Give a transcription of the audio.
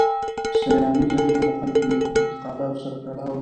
سیلاني ځایونه د خلکو له اعتقاداتو سره تړاو لري.